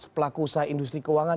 pelaku usaha industri keuangan